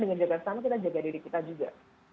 dengan jaga sama kita jaga diri kita juga